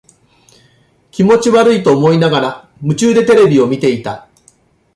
気持ち悪いと思いながら、夢中でテレビを見ていた。